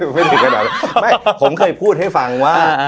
ไม่มีขนาดนี้ไม่ให้ผมเคยพูดให้ฟังว่า